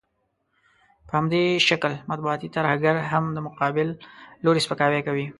په همدې شکل مطبوعاتي ترهګر هم د مقابل لوري سپکاوی کوي.